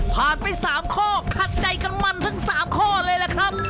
ผ่านไป๓ข้อขัดใจกันมันทั้ง๓ข้อเลยล่ะครับ